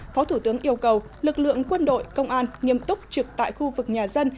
phó thủ tướng yêu cầu lực lượng quân đội công an nghiêm túc trực tại khu vực nhà dân